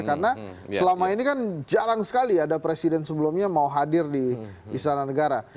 karena selama ini kan jarang sekali ada presiden sebelumnya mau hadir di istana negara